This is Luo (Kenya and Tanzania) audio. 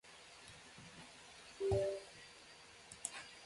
Jatuo riere mang’eny